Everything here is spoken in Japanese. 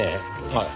はい。